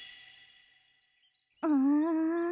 うん。